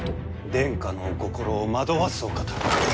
殿下のお心を惑わすお方。